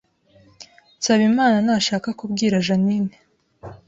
Nsabimana ntashaka kubwira Jeaninne